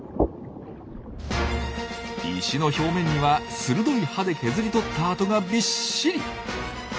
石の表面には鋭い歯で削り取った跡がビッシリ。